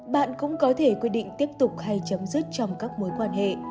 bạn cũng có thể quy định tiếp tục hay chấm dứt trong các mối quan hệ